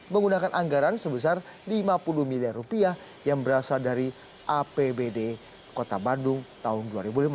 menggunakan anggaran sebesar lima puluh miliar rupiah yang berasal dari apbd kota bandung tahun dua ribu lima belas